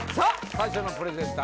最初のプレゼンター